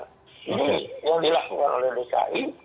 ini yang dilakukan oleh dki